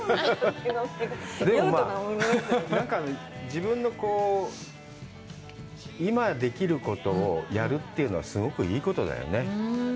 自分の今できることをやるというのはすごくいいことだよね。